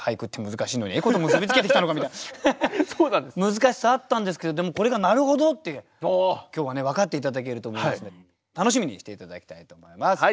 難しさあったんですけどでもこれがなるほどって今日はね分かって頂けると思いますので楽しみにして頂きたいと思います。